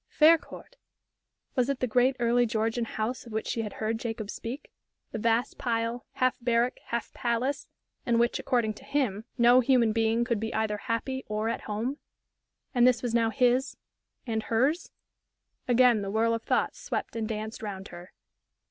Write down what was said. Faircourt? Was it the great Early Georgian house of which she had heard Jacob speak the vast pile, half barrack, half palace, in which, according to him, no human being could be either happy or at home? And this was now his and hers? Again the whirl of thoughts swept and danced round her.